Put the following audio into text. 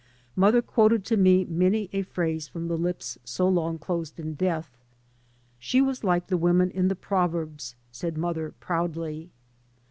Mother quoted to me many a phrase from the lips so long closed in death. " She was like the women in the proverbs," said mother proudly.